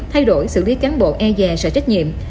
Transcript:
thay đổi xử lý cán bộ e dè sở trách nhiệm